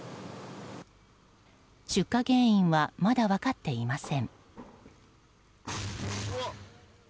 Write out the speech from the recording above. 出火原因はまだ分かっていません。